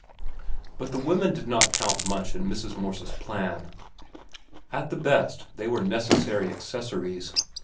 But the women did not count for much in Mrs. Morse's plan. At the best, they were necessary accessories.